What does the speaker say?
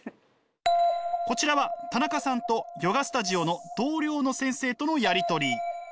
こちらは田中さんとヨガスタジオの同僚の先生とのやり取り。